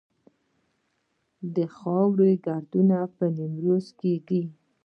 د خاورو دوړې په نیمروز کې دي